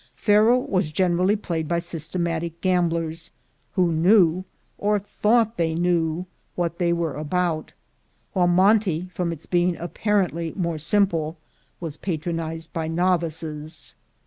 Faro was generally played by systematic gamblers, who knew, or thought they knew, what they were about; while monte, from its being apparently more simple, was patronized by novices.